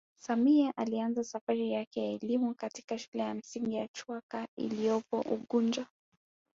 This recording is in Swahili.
Samia alianza safari yake ya elimu katika shule ya msingi chwaka iloyopo unguja